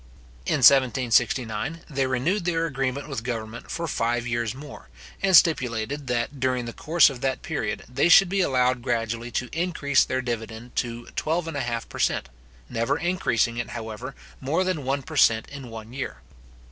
In 1769, they renewed their agreement with government for five years more, and stipulated, that during the course of that period, they should be allowed gradually to increase their dividend to twelve and a half per cent; never increasing it, however, more than one per cent. in one year.